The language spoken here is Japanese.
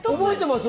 覚えてます？